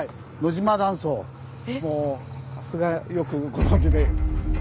もうさすがよくご存じで。